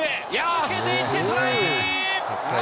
抜けていって、トライ。